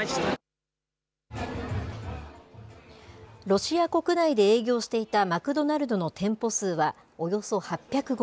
ロシア国内で営業していたマクドナルドの店舗数はおよそ８５０。